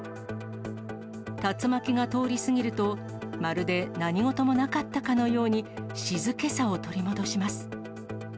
竜巻が通り過ぎると、まるで何事もなかったかのように、静けさを取り戻します。